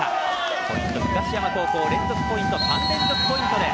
ポイントは東山高校連続ポイント３連続ポイントです。